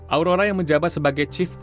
aurora yang menjabat sebagai chief